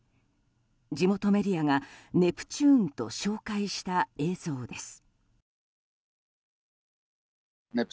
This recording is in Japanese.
地元メディアがネプチューンと紹介した映像です。